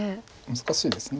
難しいです。